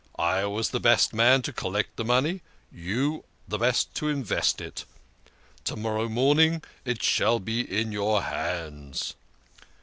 I was the best man to collect the money you are the best to invest it. To morrow morning it shall be in your hands."